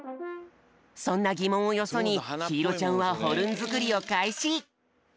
そんなぎもんをよそにひいろちゃんはホルンづくりをかいし！